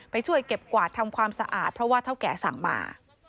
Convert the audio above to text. ไปช่วยเก็บกวาดทำความสะอาดเพราะว่าเท่าแก่สั่งมา